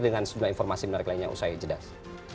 dengan informasi menarik lainnya usai jedas